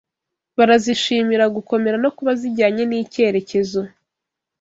barazishimira gukomera no kuba zijyanye n’icyerekezo